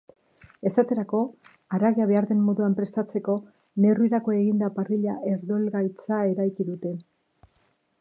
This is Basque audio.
Esaterako, haragia behar den moduan prestatzeko neurrirako eginda parrilla herdoilgaitza eraiki dute.